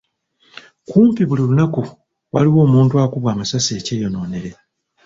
Kumpi buli lunaku waliwo omuntu akubwa amasasi ekyeyonoonere.